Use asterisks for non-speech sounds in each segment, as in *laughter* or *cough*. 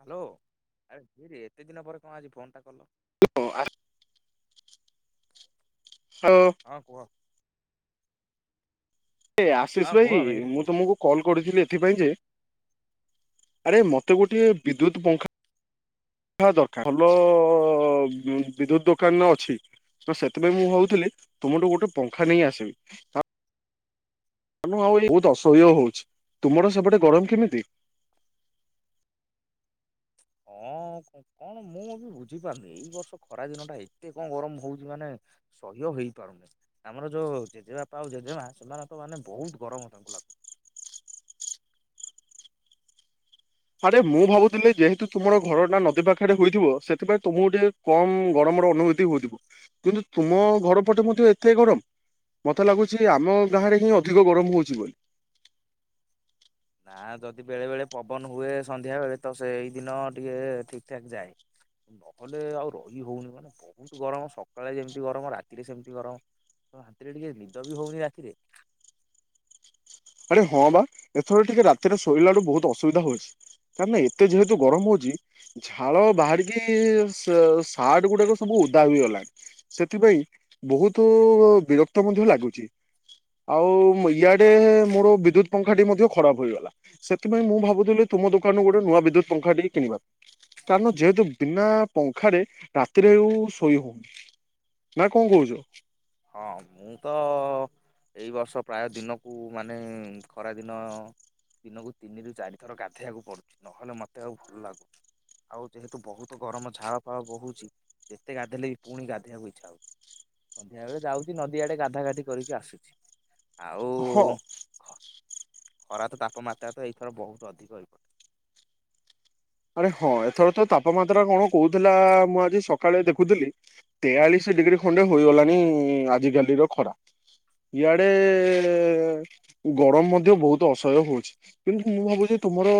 Hello, ଆରେ ଏରେ ଏତେ ଦିନ ପରେ କଣ ଆଜି ଫୋନ୍ ଟା କଲ। ହଁ ଆ ହଁ। ହଁ କୁହ। ହଁ ଆଶିଷ କୁହ ଭାଇ ମିହିର ମୁଁ କୁହ। ତମକୁ କଲ୍ କରିଥିଲି ଏଥିପାଇଁ ଯେ ଆରେ ମତେ ଗୋଟିଏ ବିଦ୍ୟୁତ ପଙ୍ଖା ଖା ଦରକାର ଭଲ ବିଦ୍ୟୁତ ଦୋକାନରେ ଅଛି। ତ ସେଥିପାଇଁ ମୁଁ ଭାବୁଥିଲି, ତୁମଠୁ ଗୋଟେ ପଙ୍ଖା ନେଇ ଆସିବି। *unintelligible* ବହୁତ ଅସହ୍ୟ ହଉଛି ତୁମର ସେପଟେ ଗରମ କେମିତି? ହଁ କ କଣ ମୁଁ ଆକୁ ବୁଝିପାରୁନି ଏଇ ବର୍ଷ ଖରା ଦିନ ଟା ଏତେ କଣ ଗରମ ହଉଛି ମାନେ ସହ୍ୟ ହେଇ ପାରୁନି ଆମର ଯୋଉ ଜେଜେବାପା ଆଉ ଜେଜେମା ସେମାନେ ତ ମାନେ ବହୁତ ଗରମ ତାଙ୍କୁ ଲାଗୁ ଆରେ ମୁଁ ଭାବୁଥିଲି ଯେହେତୁ ତୁମର ଘର ନା ନଦୀ ପାଖରେ ହୋଇଥିବ, ସେଥିପାଇଁ ତୁମକୁ ଟିକେ କମ ଗରମର ଅନୁଭୂତି ହଉଥିବ, କିନ୍ତୁ ତୁମ ଘର ପଟେ ମଧ୍ୟ ଏତେ ଗରମ? ମତେ ଲାଗୁଛି ଆମ ଗାଁରେ ହିଁ ଅଧିକ ଗରମ ହଉଛି ବୋଲି। ନା ଯଦି ବେଳେ ବେଳେ ପବନ ହୁଏ ସନ୍ଧ୍ୟାବେଳେ ତ ସେଇ ଦିନ ଟିକେ ଠିକ ଠାକ୍ ଯାଏ। ନହେଲେ ଆଉ ରହି ହଉନି ମାନେ ବହୁତ ଗରମ ସକାଳେ ଯେମିତି ଗରମ ରାତିରେ ସେମିତି ଗରମ। ହଁ ଶାନ୍ତିରେ ଟିକେ ନିଦ ବି ହଉନି ରାତିରେ। ଆରେ ହଁ ବା ଏଥର ଟିକେ ରାତିରେ ଶୋଇଲାଳୁ ବହୁତ ଅସୁବିଧା ହଉଛି। କାର୍ ନା ଏତେ ଯେହେତୁ ଗରମ ହଉଛି ଝାଳ ବାହାରିକି ସ-ସାଟ ଗୁଡାକ ସବୁ ଓଦା ହୋଇଗଲାଣି। ସେଥିପାଇଁ ବହୁତୁ ବିରକ୍ତ ମଧ୍ୟ ଲାଗୁଛି। ଆଉ ଉମ୍ ଇଆଡେ ମୋର ବିଦ୍ୟୁତ ପଙ୍ଖା ଟି ମଧ୍ୟ ଖରାପ ହୋଇଗଲା। ସେଥିପାଇଁ ମୁଁ ଭାବୁଥିଲି ତୁମ ଦୋକାନରୁ ଗୋଟେ ନୂଆ ବିଦ୍ୟୁତ ପଙ୍ଖା ଟି କିଣିବାକୁ କାରଣ ଯେହେତୁ ବିନା ପଙ୍ଖାରେ ରାତିରେ ଆଉ ଶୋଇ ହଉନି। ନା କଣ କହୁଛ? ହଁ ମୁଁ ତ ଏଇ ବର୍ଷ ପ୍ରାୟ ଦିନକୁ ମାନେ ଖରାଦିନ ଦିନକୁ ତିନି ରୁ ଚାରି ଥର ଗାଧେଇବାକୁ ପଡୁଛି, ନହେଲେ ମତେ ଆଉ ଭଲ ଲାଗୁ ଆଉ ଯେହେତୁ ବହୁତ ଗରମ ଝାଳ ଫାଳ ବହୁଛି, ଯେତେ ଗାଧେଇଲେ ବି ପୁଣି ଗାଧେଇଆକୁ ଇଛା ହଉଛି। ସବେଳେ ଯାଉଛି ନଦୀ ଆଡେ ଗାଧା ଗାଧି କରିକି ଆସୁଛି, ଆଉ ହଁ ଖ ଖରା ତ ତାପମାତ୍ରା ତ ଏଇଥର ବହୁତ ଅଧିକ ହୋଇପଡେ। ଆରେ ହଁ ଏଥର ତ ତାପମାତ୍ରା କଣ କହୁଥିଲା, ମୁଁ ଆଜି ସକାଳେ ଦେଖୁଥିଲି ତେୟାଳିଶି ଡିଗ୍ରୀ ଖଣ୍ଡେ ହୋଇଗଲାଣି ଆଜିକାଲିର ଖରା। ଇଆଡେ-ଏ ଗରମ ମଧ୍ୟ ବହୁତ ଅସହ୍ୟ ହଉଛି। କିନ୍ତୁ ମୁଁ ଭାବୁଛି ତୁମର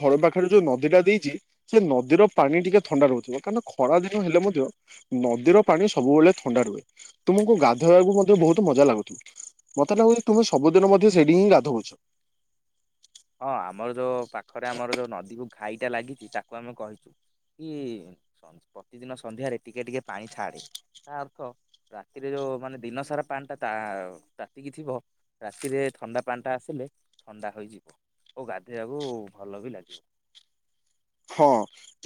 ଘର ପାଖରେ ଯୋଉ ନଦୀଟା ଦେଇଚି ସେ ନଦୀର ପାଣି ଟିକେ ଥଣ୍ଡା ରହୁଥିବ କାରଣ ଖରା ଦିନ ହେଲେ ମଧ୍ୟ ନଦୀର ପାଣି ସବୁବେଳେ ଥଣ୍ଡା ରୁହେ ତୁମକୁ ଗାଧୋଇବାକୁ ମଧ୍ୟ ବହୁତ ମଜା ଲାଗୁଥୁବ। ମତେ ଲାଗୁଚି ତୁମେ ସବୁଦିନ ମଧ୍ୟ ସେଠି ହିଁ ଗାଧଉଛ। ହଁ ଆମର ଯୋଉ ପାଖରେ ଆମର ଯୋଉ ନଦୀକୁ ଘାଇଟା ଲାଗିଚି ତାକୁ ଆମେ କହିଚୁ କି ପ୍ରତିଦିନ ସନ୍ଧ୍ୟାରେ ଟିକେ ଟିକେ ପାଣି ଛାଡେ ତା ଅର୍ଥ ରାତିରେ ଯୋଉ ମାନେ ଦିନ ସାରା ପାଣି ତା ତାତିକି ଥିବ ରାତିରେ ଥଣ୍ଡା ପାଣି ଟା ଆସିଲେ ଥଣ୍ଡା ହୋଇଯିବ ଓ ଗାଧୋଇବାକୁ ଭଲ ବି ଲାଗିବ। ହଁ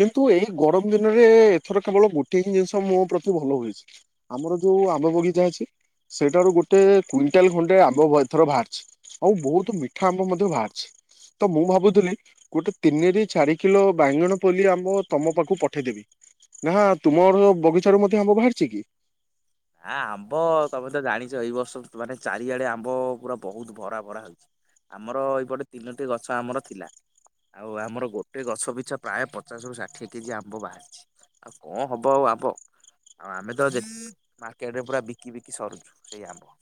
କିନ୍ତୁ ଏଇ ଗରମ ଦିନରେ ଏଥର କେବଳ ଗୋଟେ ହିଁ ଜିନିଷ ମୋ ପ୍ରତି ଭଲ ହୋଇଚି। ଆମର ଯୋଉ ଆମ୍ବ ବଗିଚା ଅଛି ସେଇଠାରୁ ଗୋଟେ କୁଇଣ୍ଟାଲ ଖଣ୍ଡେ ଆମ୍ବ ଏଥର ବାହାରିଛି। ଆଉ ବହୁତ ମିଠା ଆମ୍ବ ମଧ୍ୟ ବାହାରିଛି ତ ମୁଁ ଭାବୁଥିଲି ଗୋଟେ ତିନିରେ ଚାରି କିଲୋ ବାଇଗଣ ପଲି ଆମ ତମ ପାଖକୁ ପଠେଇଦେବି। ନା ତୁମର ବଗିଚାରୁ ମଧ୍ୟ ଆମ୍ବ ବାହାରିଚି କି? ଆ ଆମ୍ବ ତମେ ତ ଜାଣିଚ ଏଇ ବର୍ଷ ମାନେ ଚାରିଆଡେ ଆମ୍ବ ପୁରା ବହୁତ ଭରା ଭରା ହୋଇଚି। ଆମର ଏଇପଟେ ତିନୋଟି ଗଛ ଆମର ଥିଲା। ଆଉ ଆମର ଗୋଟେ ଗଛ ପିଛା ପ୍ରାୟ ପଚାଶରୁୁ ଷାଠିଏ କେଜି ଆମ୍ବ ବାହାରିଛି। ଆଉ କଣ ହବ ଆଉ ଆମ୍ବ ଆଁ ଆମେ ତ ଯେ ମାର୍କେଟ ରେ ପୁରା ବିକି ବିକି ସରୁଛୁ ସେଇ ଆମ୍ବ।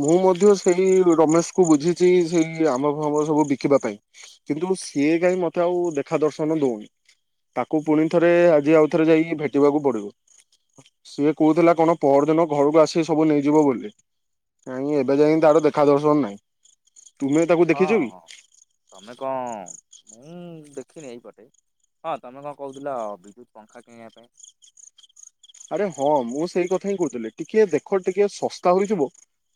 ମୁଁ ମଧ୍ୟ ସେଇ ରମେଶ କୁ ବୁଝିଛି ସେଇ ଆମ୍ବ ଫାମ୍ବ ସବୁ ବିକିବା ପାଇଁ। କିନ୍ତୁ ସିଏ କାଇଁ ମତେ ଆଉ ଦେଖା ଦର୍ଶନ ଦଉନି। ତାକୁ ପୁଣି ଥରେ ଆଜି ଆଉ ଥରେ ଯାଇକି ଭେଟିବାକୁ ପଡିବ। ସିଏ କହୁଥିଲା କଣ ପଅରଦିନ ଘରକୁ ଆସିକି ସବୁ ନେଇଯିବ ବୋଲି। କାଇଁ ଏବେ ଯାଇଁ ତାର ଦେଖା ଦର୍ଶନ ନାଇଁ। ହଁ ହଁ ତମେ କଣ, ମୁଁ ଦେଖିନି ଏଇପଟେ ହଁ ତମେ କଣ କହୁଥିଲ ବିଦ୍ୟୁତ୍ ପଙ୍ଖା କିଣିବା ପାଇଁ? ଆରେ ହଁ ମୁଁ ସେଇ କଥା ହିଁ କହୁଥିଲି ଟିକେ ଦେଖ ଟିକେ ଶସ୍ତା ହୋଇଥିବ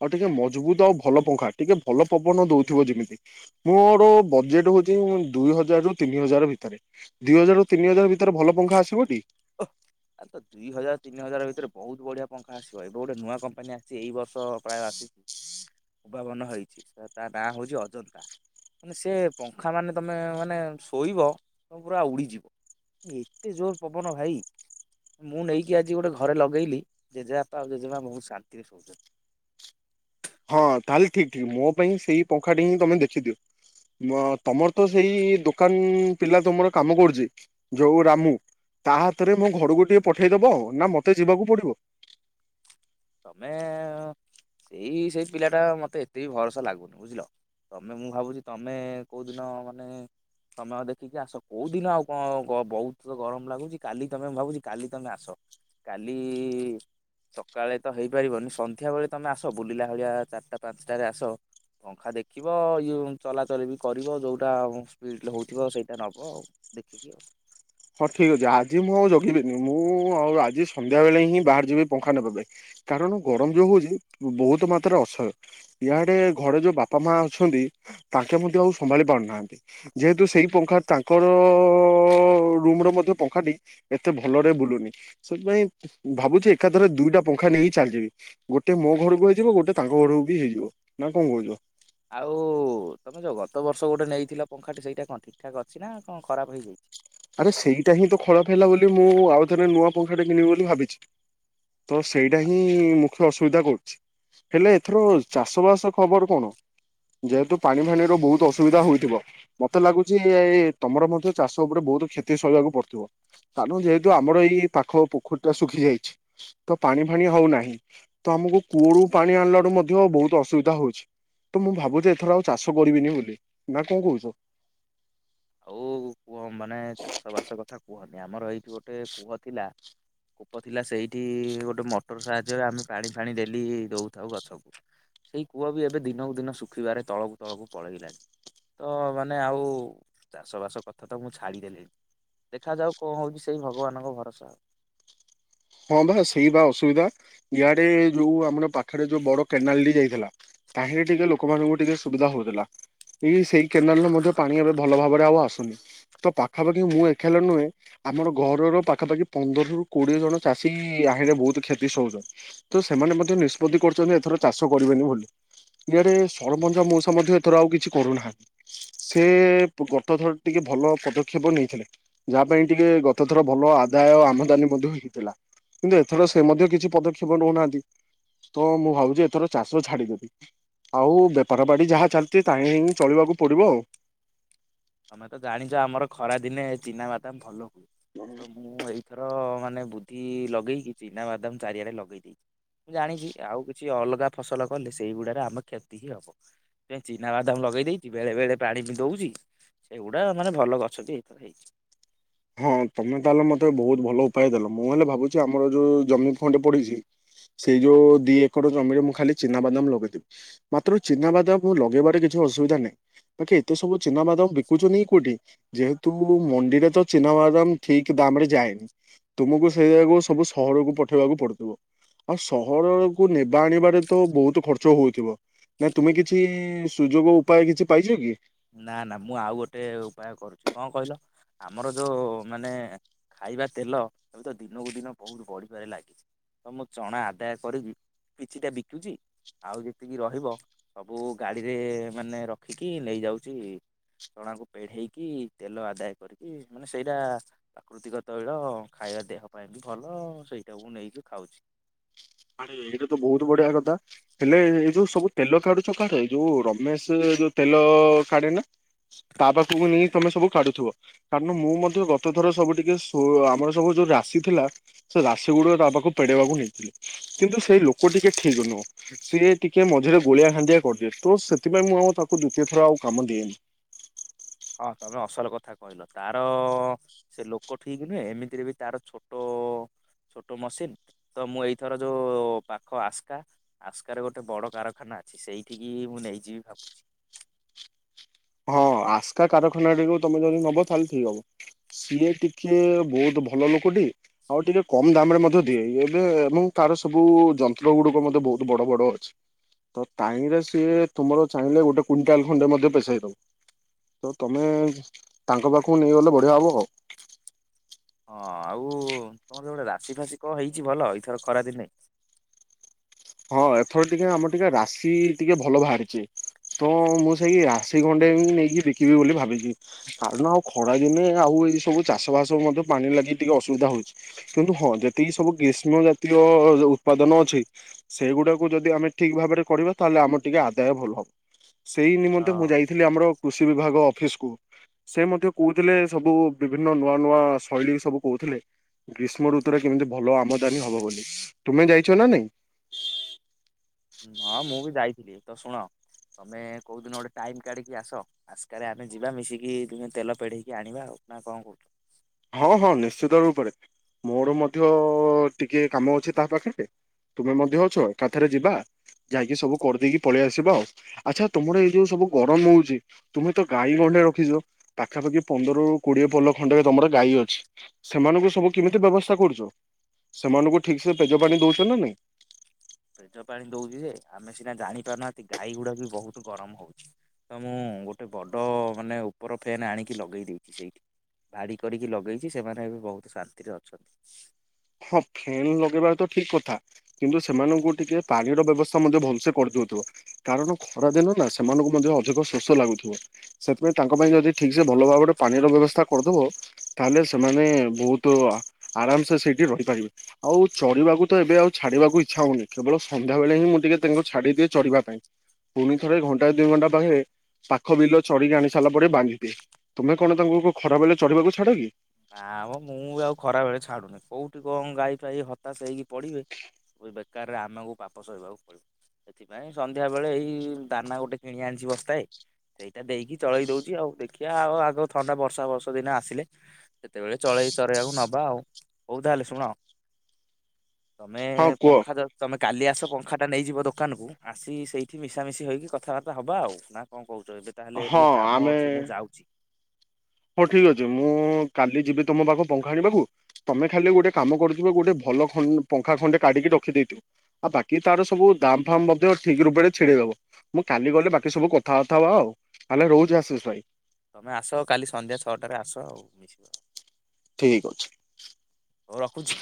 ଆଉ ଟିକେ ମଜବୁତ ଆଉ ଭଲ ପଙ୍ଖା ଟିକେ ଭଲ ପବନ ଦଉଥିବ ଯେମିତି। ମୋର ବଜେଟ୍ ହୋଉଚି ଦୁଇ ହଜାର ରୁ ତିନି ହଜାର ଭିତରେ। ଦୁଇ ହଜାରରୁ ତିନି ହଜାର ଭିତରେ ଭଲ ପଙ୍ଖା ଆସିବ ଟି? ଓ ଆଉ ତ ଦୁଇ ହଜାର ତିନି ହଜାର ଭିତରେ ବହୁତ ବଢିଆ ପଙ୍ଖା ଆସିବ, ଏବେ ଗୋଟେ ନୂଆ କମ୍ପାନୀ ଆସିଚି ଏଇ ବର୍ଷ ପ୍ରାୟ ଆସି *inaudible* ଉଭାବନ ହେଇଛି ତା ତା ନାଁ ହଉଛି ଅଜନ୍ତା। ମାନେ ସେ ପଙ୍ଖା ମାନେ ତମେ ମାନେ ଶୋଇବ ତମେ ପୁରା ଉଡିଯିବ। ଏତେ ଜୋର ପବନ ଭାଇ ମୁଁ ନେଇକି ଆଜି ଗୋଟେ ଘରେ ଲଗେଇଲି ଜେଜେବାପା ଆଉ ଜେଜେମା ବହୁତ ଶାନ୍ତି ରେ ଶୋଉଚନ୍ତି। ହଁ ତାହେଲେ ଠିକ ଠିକ ମୋ ପାଇଁ ସେଇ ପଙ୍ଖାଟି ହିଁ ତମେ ଦେଖିଦିଅ। ତମର ତ ସେଇ ଦୋକାନ ଇ ପିଲା ତମର କାମ କରୁଛି ଯୋଉ ରାମୁ। ତା ହାତରେ ମୋ ଘରକୁ ଟିକେ ପଠେଇଦବ ନା ମତେ ଯିବାକୁ ପଡିବ? ତମେ ଏ ସେଇ ସେଇ ପିଲା ଟା ମତେ ଏତେ ବି ଭରସା ଲାଗୁନି ବୁଝିଲ। ତମେ ମୁଁ ଭାବୁଛି ତମେ କୋଉଦିନ ମାନେ ସମୟ ଦେଖିକି ଆସ କୋଉ ଦିନ ଆଉ କଣ ବହୁତ ତ ଗରମ ଲାଗୁଚି କାଲି ତମେ ମୁଁ ଭାବୁଛି କାଲି ତମେ ଆସ। କାଲି ଇ ସକାଳେ ତ ହେଇପାରିବନି ସନ୍ଧ୍ୟାବେଳେ ତମେ ଆସ ବୁଲିଲା ଭଳିଆ ଚାରିଟା ପାଞ୍ଚଟାରେ ଆସ ପଙ୍ଖା ଦେଖିବ ଇୟୁ ଚଲାଚଲି ବି କରିବ ଯୋଉଟା ସ୍ପିଡ ହଉଥିବ ସେଇଟା ନେବ ଆଉ। ଦେଖିକି ଆଉ। ହଁ ଠିକ୍ ଅଛି ଆଜି ମୁଁ ଆଉ ଜଗିବିନି ମୁଁ ଆଉ ଆଜି ସନ୍ଧ୍ୟା ବେଳେ ହିଁ ବାହାର୍ଯିବି ପଙ୍ଖା ନେବା ପାଇଁ। କାରଣ ଗରମ ଯୋଉ ହଉଚି ବହୁତ ମାତ୍ରାରେ ଅସହ୍ୟ। ଯାହା ଟିକେ ଘରେ ଯୋଉ ବାପା ମା ଅଛନ୍ତି ତାଙ୍କେ ମଧ୍ୟ ଆଉ ସମ୍ଭାଳି ପାରୁନାହାନ୍ତି। ଯେହେତୁ ସେଇ ପଙ୍ଖା ତାଙ୍କର ରୁମର ମଧ୍ୟ ପଙ୍ଖାଟି ଏତେ ଭଲରେ ବୁଲୁନି। ସେଥିପାଇଁ ଭାବୁଚି ଏକାଥରେ ଦୁଇଟା ପଙ୍ଖା ନେଇ ଚାଲିଯିବି। ଗୋଟେ ମୋ ଘରକୁ ହେଇଯିବ ଗୋଟେ ତାଙ୍କ ଘରକୁ ବି ହେଇଯିବ, ନା କଣ କହୁଚ? ଆଉ ତମେ ଯୋଉ ଗତ ବର୍ଷ ଗୋଟେ ନେଇଥିଲ ପଙ୍ଖାଟେ ସେଇଟା କଣ ଠି ଠିକ୍ ଠାକ୍ ଅଛିନା କଣ ଖରାପ୍ ହେଇଯାଇଛି? ଆରେ ସେଇଟା ହିଁ ତ ଖରାପ ହେଲା ବୋଲି ମୁଁ ଆଉଥରେ ନୂଆ ପଙ୍ଖାଟେ କିଣିବି ବୋଲି ଭାବିଛି। ତ ସେଇଟା ହିଁ ମୁଖ୍ୟ ଅସୁବିଧା କରୁଚି। ହେଲେ ଏଥର ଚାଷବାସ ଖବର କଣ? ଯେହେତୁ ପାଣି ଫାଣିର ବହୁତ୍ ଅସୁବିଧା ହୋଇଥିବ? ମତେ ଲାଗୁଚି ଏ ତମର ମଧ୍ୟ ଚାଷ ଉପରେ ବହୁତ କ୍ଷତି ସହିବାକୁ ପଡ଼ିଥିବ କାରଣ ଯେହେତୁ ଆମର ଏଇ ପାଖ ପୋଖରିଟା ଶୁଖି ଯାଇଛି। ତ ପାଣି ଫାଣି ହଉନାହିଁ ତଆମକୁ କୂଅରୁୁ ପାଣି ଆଣିଲାରୁୁ ମଧ୍ୟ ବହୁତ୍ ଅସୁବିଧା ହଉଚି। ତ ମୁଁ ଭାବୁଚି ଏଥର ଆଉ ଚାଷ କରିବିନି ବୋଲି ନା କଁ କହୁଚ? ଆଉ କୁହ ମାନେ ଚାଷ ବାସ କଥା କୁହନି ଆମର ଏଇଠି ଗୋଟେ କୂଅ ଥିଲା କୂପ ଥିଲା ସେଇଠି ଗୋଟେ ମଟର ସାହାଯ୍ୟ ଆମେ ପାଣି ଫାଣି ଡେଲି ଦଉଥାଉ ଗଛକୁ। ସେଇ କୂଅବି ଏବେ ଦିନକୁ ଦିନ ଶୁଖିବାରେ ତଳକୁ ତଳକୁ ପଳେଇଲାଣି। ତ ମାନେ ଆଉ ଚାଷ ବାସ କଥାତ ମୁଁ ଛାଡ଼ିଦେଲିଣିି ଦେଖାଯାଉ କଣ ହଉଚି ସେଇ ଭଗବାନଙ୍କ ଭରସା। ହଁ ବା ସେଇବା ଅସୁବିଧା ଇଆଡ଼େ ଯୋଉ ଆମର ପାଖରେ ଯୋଉ ବଡ଼ କେନାଲଟି ଯାଇଥିଲା ତାହିଁଲେ ଟିକେ ଲୋକମାନଙ୍କୁ ଟିକେ ସୁବିଧା ହଉଥିଲା। ଏଇ ସେଇ କେନାଲରେ ମଧ୍ୟ ପାଣି ଏବେ ଭଲ ଭାବରେ ଆଉ ଆସୁନି। ତ ପାଖାପାଖି ମୁଁ ଏକାଲ ନୁହେଁ ଆମର ଘରର ପାଖାପାଖି ପନ୍ଦରରୁ କୋଡ଼ିଏ ଜଣ ଚାଷୀ ଆରେ ବହୁତ୍ କ୍ଷତି ସହୁଚ। ତ ସେମାନେ ମଧ୍ୟ ନିଷ୍ପତ୍ତି କରୁଚନ୍ତି ଏଥର ଚାଷ କରିବେନି ବୋଲି। ଆରେ ସରପଞ୍ଚ ମଉସା ମଧ୍ୟ ଏଥର ଆଉ କିଛି କରୁନାହାନ୍ତି। ସେ ଗତ ଥର ଟିକେ ଭଲ ପଦକ୍ଷେପ ନେଇଥିଲେ। ଯାହା ପାଇଁ ଟିକେ ଗତ ଥର ଭଲ ଆଦାୟ ଆମଦାନୀ ମଧ୍ୟ ହେଇଥିଲା। କିନ୍ତୁ ଏଥର ସେ ମଧ୍ୟ କିଛି ପଦକ୍ଷେପ ନଉନାହାନ୍ତି ତ ମୁଁ ଭାବୁଚି ଏଥର ଚାଷ ଛାଡିଦେବି। ଆଉ ବେପାର ବାଡ଼ି ଯାହା ଚାଲିଛି ତାହିେଁ ହିଁ ଚଳିବାକୁ ପଡ଼ିବ ଆଉ। ତମେତ ଜାଣିଚ ଆମର ଖରା ଦିନେ ଚିନାବାଦାମ ଭଲ ହୁଏ ଆଉ। ତ ମୁଁ ମୁଁ ଏଇଥର ମାନେ ବୁଦ୍ଧି ଲଗେଇକି ଚିନା ବାଦାମ ଚାରିଆଡ଼େ ଲଗେଇ ଦେଇଚି। ମୁଁ ଜାଣିଚି ଆଉ କିଛି ଅଲଗା ଫସଲ କଲେ ସେଇଗୁଡାରେ ଆମର କ୍ଷତି ହିଁ ହବ। ସେ ଚିନାବାଦାମ ଲଗେଇ ଦେଇଚି ବେଳେ ବଳେ ପାଣି ବି ଦଉଚି। ସେଗୁଡ଼ା ମାନେ ଭଲ ଗଛବି ଏଇଥର ହେଇଚି। ହଁ ତମେ ତାହେଲେ ମତେ ବହୁତ୍ ଭଲ ଉପାୟ ଦେଲ ମୁଁ ହେଲେ ଭାବୁଚି ଆମର ଯୋଉ ଜମି ଖଣ୍ଡେ ପଡ଼ିଚି ସେଇ ଯୋଉ ଦି ଏକର ଜମିରେ ମୁଁ ଖାଲି ଚିନାବାଦାମ ଲଗେଇବି। ମାତ୍ର ଚିନାବାଦାମ ଲଗେଇବାରେ କିଛି ଅସୁବିଧା ନାହିଁ। ବାକି ଏତେ ସବୁ ଚିନାବାଦାମ ବିକୁଛନ୍ତି କୋଉଠି ଯେହେତୁ ମଣ୍ଡିରେ ତ ଚିନାମଦାମ ଠିକ୍ ଦାମରେ ଯାଏନି ତୁମକୁ ସେ ଜାଗାକୁ ସବୁ ସହରକୁ ପଠେଇବାକୁ ପଡ଼ୁଥୁବ। ଆଉ ସହରକୁୁ ନେବା ଆଣିବାରେ ତ ବହୁତ୍ ଖର୍ଚ୍ଚ ହଉଥିବ। ନାଇ ତୁମେ କିଛି ସୁଯୋଗ ଉପାୟ କିଛି ପାଇଚ କି? ନା ନା ମୁଁ ଆଉ ଗୋଟେ ଉପାୟ କରୁଛି କଣ କହିଲ? ଆମର ଯୋଉ ମାନେ ଖାଇବା ତେଲ ଏବେ ତ ଦିନକୁ ଦିନ ବହୁତ ବଢିବାରେ ଲାଗିଛି। ତ ମୁଁ ଚଣା ଆଦାୟ କରି କିଛିଟା ବିକୁଛି। ଆଉ ଯେତିକି ରହିବ ସବୁ ଗାଡିରେ ମାନେ ରଖିକି ନେଇଯାଉଛି ଚଣାକୁ ପେଢେଇକି ତେଲ ଆଦାୟ କରିକି ମାନେ ସେଇଟା ପ୍ରାକୃତିକ ତୈଳ ଖାଇବା ଦେହ ପାଇଁ ବି ଭଲ ସେଇଟା ମୁଁ ନେଇକି ଖାଉଛି। ଆରେ ଏଇଟା ତ ବହୁତ ବଢିଆ କଥା। ହେଲେ ଏଇ ଯୋଉ ସବୁ ତେଲ କାଢୁଛ କାଡ ଯୋଉ ରମେଶ ଯୋଉ ତେଲ କାଢେ ନା? ତା ପାଖକୁ ନେଇକି ତମେ ସବୁ କାଢୁଥିବ। କାରଣ ମୁଁ ମଧ୍ୟ ଗତଥର ସବୁ ଟିକେ ସୁ ଆମର ସବୁ ଯୋଉ ରାଶି ଥିଲା। ସେ ରାଶି ଗୁଡିକ ତା ପାଖକୁ ପେଡେଇବାକୁ ନେଇଥିଲେ କିନ୍ତୁ ସେଇ ଲୋକ ଟିକେ ଠିକ ନୁହଁ। ସିଏ ଟିକେ ମଝିରେ ଗୋଳିଆ ଘାଣ୍ଟିଆ କରିଦିଏ ତ ସେଥିପାଇଁ ମୁଁ ଆଉ ତାକୁ ଦ୍ୱିତୀୟ ଥର ଆଉ କାମ ଦିଏନି। ହଁ ତମେ ଅସଲ କଥା କହିଲ ତାର ସେ ଲୋକ ଠିକ ନୁହେଁ ଏମିତିରେ ବି ତାର ଛୋଟ ଛୋଟ ମସିନ ତ ମୁଁ ଏଇଥର ଯୋଉ ପାଖ ଆସ୍କା ଆସ୍କାରେ ଗୋଟେ ବଡ କାରଖାନା ଅଛି ସେଇଠିକି ମୁଁ ନେଇଯିବି ଭାବୁଛି। ହଁ ଆସ୍କା କାରଖାନା ଟିକୁ ତମେ ଯଦି ନବ ତାହେଲେ ଠିକ ହବ। ସିଏ ଟିକେ ବହୁତ ଭଲ ଲୋକଟି ଆଉ ଟିକେ କମ ଦାମ ରେ ମଧ୍ୟ ଦିଏ ଏବେ ମୁଁ ତାର ସବୁ ଯନ୍ତ୍ର ଗୁଡିକ ମଧ୍ୟ ବହୁତ ବଡ ବଡ ଅଛି। ତ ତାଇଁରେ ସିଏ ତୁମର ଚାହିଁଲେ ଗୋଟେ କୁଇଣ୍ଟାଲ ଖଣ୍ଡେ ମଧ୍ୟ ପେସେଇଦବ। ତ ତମେ ତାଙ୍କ ପାଖକୁ ନେଇଗଲେ ବଢ଼ିଆ ହବ ଆଉ। ହଁ ଆଉ ତମର ଗୋଟେ ରାଶି ଫାଶି କଣ ହେଇଛି ଭଲ ଏଇଥର ଖରାଦିନେ? ହଁ ଏଥର ଟିକେ ଆମର ଟିକେ ରାଶି ଟିକେ ଭଲ ବାହାରିଛି। ତ ମୁଁ ସେଇ ରାଶି ଖଣ୍ଡେ ନେଇକି ବିକିବି ବୋଲି ଭାବିଛି। କାରଣ ଆଉ ଖରା ଦିନେ ଆଉ ଏଇ ସବୁ ଚାଷବାସ ମଧ୍ୟ ପାଣି ଲାଗି ଟିକେ ଅସୁବିଧା ହଉଛି। କିନ୍ତୁ ହଁ ଯେତିକି ସବୁ ଗ୍ରୀଷ୍ମ ଜାତୀୟ ଉତ୍ପାଦନ ଅଛି। ସେଇଗୁଡାକୁ ଯଦି ଆମେ ଠିକ ଭାବରେ କରିବା ତାହେଲେ ଆମର ଟିକେ ଆଦାୟ ଭଲ ହବ ସେଇ ତ ନିମନ୍ତେ ମୁଁ ଯାଇ ଯାଇଥିଲ ଆମର କୃଷି ବିଭାଗ ଅଫିସକୁୁ। ସେ ମଧ୍ୟ କହୁଥିଲେ ସବୁ ବିଭିନ୍ନ ନୂଆ ନୂଆ ଶୈଳୀ ସବୁ କହୁଥିଲେ। ଗ୍ରୀଷ୍ମ ଋତୁରେ କେମିତି ଭଲ ଆମଦାନୀ ହବ ବୋଲି ତୁମେ ଯାଇଛ ନା ନାଇଁ? ହଁ ମୁଁ ବି ଯାଇଥିଲି ତ ଶୁଣ ତମେ କୋଉଦିନ ଗୋଟେ ଟାଇମ କାଢିକି ଆସ। ଆସ୍କରେ ଆମେ ଯିବା ମିଶିକି ତୁମେ ତେଲ ପେଢେଇକି ଆଣିବା ଆଉ ନା କଣ କହୁଛ? ହଁ ହଁ ନିଶ୍ଚିତ ରୂପରେ ମୋର ମଧ୍ୟ ଟିକେ କାମ ଅଛି ତା ପାଖରେ। ତୁମେ ମଧ୍ୟ ଅଛ ଏକାଥରେ ଯିବା ଯାଇକି ସବୁ କରିଦେଇକି ପଳେଇ ଆସିବା ଆଉ। ଆଚ୍ଛା ତୁମର ଏଇ ଯୋଉ ସବୁ ଗରମ ହଉଛି ତୁମେ ତ ଗାଈ ଗଣ୍ଡେ ରଖିଛ। ପାଖାପାଖି ପନ୍ଦରରୁ କୋଡିଏ ପୋଲ ଖଣ୍ଡ ତମର ଗାଈ ଅଛି ସେମାନଙ୍କୁ ସବୁ କେମିତି ବ୍ୟବସ୍ଥା କରୁଛ? ସେମାନଙ୍କୁ ଠିକସେ ପେଜପାଣି ଦେଉଛନ୍ତି ନା ନାହିଁ? ଫେଜ ପାଣି ଦଉଛି ଯେ ଆମେ ସିନା ଜାଣିପାରୁନାହାନ୍ତି ଗାଈ ଗୁଡାକୁ ବି ବହୁତ ଗରମ ହଉଛି। ତ ମୁଁ ଗୋଟେ ବଡ଼ ମାନେ ଉପର ଫ୍ୟାନ ଆଣିକି ଲଗେଇ ଦେଇଛି ସେଇଠି। ଭାଡି କରିକି ଲଗେଇଛି ସେମାନେ ଏବେ ବହୁତ ଶାନ୍ତିରେ ଅଛନ୍ତି। ହଁ ଫ୍ୟାନ ଲଗେଇବା ତ ଠିକ କଥା। କିନ୍ତୁ ସେମାନଙ୍କୁ ଟିକେ ପାଣିର ବ୍ୟବସ୍ଥା ମଧ୍ୟ ଭଲସେ କରିଦଉଥିବ। କାରଣ ଖରା ଦିନ ନା ସେମାନଙ୍କୁ ମଧ୍ୟ ଅଧିକ ଶୋଷ ଲାଗୁଥିବ। ସେଥିପାଇଁ ତାଙ୍କ ପାଇଁ ଯଦି ଠିକ୍ ସେ ଭଲ ଭାବରେ ପାଣିର ବ୍ୟବସ୍ଥା କରିଦବ। ତାହେଲେ ସେମାନେ ବହୁତ ଆରାମ ସେ ସେଇଠି ରହିପାରିବେ। ଆଉ ଚରିବାକୁ ତ ଏବେ ଆଉ ଛାଡିବାକୁ ଇଚ୍ଛା ହଉନି କେବଳ ସନ୍ଧ୍ୟାବେଳେ ହିଁ ମୁଁ ଟିକେ ତାଙ୍କୁ ଛାଡ଼ିଦିଏ ଚରିବା ପାଇଁ। ପୁଣି ଥରେ ଘଣ୍ଟାଏ ଦୁଇ ଘଣ୍ଟା ପାଖରେ ପାଖ ବିଲ ଚରିକି ଆଣି ସାରିଲା ପରେ ବାନ୍ଧିଦିଏ। ତୁମେ କଣ ତାଙ୍କୁ କୁ ଖରା ବେଲେ ଚରିବାକୁ ଛାଡ଼ କି? ନା ମ ମୁଁ ଆଉ ଖରାବେଳେ ଛାଡୁନି କୋଉଠି କଣ ଗାଈ ଫାଇ ହତାଶ ହେଇକି ପଡିବେ। *unintelligible* ବେକାରରେ ଆମକୁ ପାପ ସହିବାକୁ ପଡିବ। ସେଥିପାଇଁ ସନ୍ଧ୍ୟା ବେଳେ ଏଇ ଦାନା ଗୋଟେ କିଣି ଆଣିଛି ବସ୍ତାଏ। ସେଇଟା ଦେଇକି ଚଳେଇ ଦଉଛି ଆଉ ଦେଖିବା ଆଉ ଆଗ ଥଣ୍ଡା ବର୍ଷା ବର୍ଷା ଦିନ ଆସିଲେ। ସେତେବେଳେ ଚଳେଇ ଚରେଇବାକୁ ନବା ଆଉ ହଉ ତାହେଲେ ଶୁଣ। ତମେ ହଁ କୁହ ପଙ୍ଖା ତମେ କାଲି ଆସ ପଙ୍ଖାଟା ନେଇଯିବ ଦୋକାନକୁ ଆସି ସେଇଠି ମିଶାମିଶି ହୋଇକି କଥାବାର୍ତ୍ତା ହେବା ଆଉ ନା କଣ କହୁଛ ଏବେ। ତାହେଲେ ହଁ ଟିକେ କାମ ଆମେ ଅଛି ମୁଁ ଯାଉଛି। ହଉ ଠିକ ଅଛି ମୁଁ କାଲି ଯିବି ତୁମ ପାଖକୁ ପଙ୍ଖା ଆଣିବାକୁ। ତମେ ଖାଲି ଗୋଟେ କାମ କରିଥିବ ଗୋଟେ ଭଲ ଖ ପଙ୍ଖା ଖଣ୍ଡେ କାଢିକି ରଖିଦେଇଥିବ। ଆଉ ବାକି ତାର ସବୁ ଦାମ ଫାମ ମଧ୍ୟ ଠିକ ରୂପରେ ଛିଡେଇ ଦବ। ମୁଁ କାଲି ଗଲେ ବାକି ସବୁ କଥାବାର୍ତା ହବା ଆଉ ତାହେଲେ ରହୁଛି ଆଶିଷ ହଉ, ଭାଇ। ତମେ ଆସ କାଲି ସନ୍ଧ୍ୟା ଛଅଟାରେ ଆସ ଆଉ ମିଶିବା। ଠିକ୍ ଅଛି। ହଉ ରଖୁଛି।